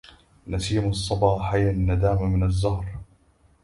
نسيم الصبا حيا الندامى من الزهر